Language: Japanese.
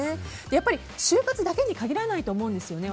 やっぱり就活だけに限らないと思うんですよね。